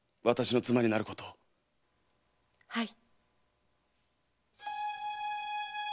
はい。